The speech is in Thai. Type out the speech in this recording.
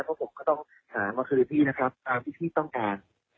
เพราะผมก็ต้องหามาคืนพี่นะครับตามที่พี่ต้องการ